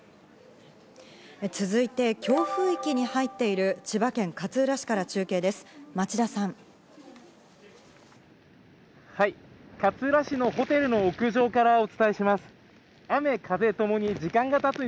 続いて強風域に入っている千葉県勝浦市からはい。